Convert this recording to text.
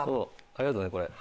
ありがとねこれ。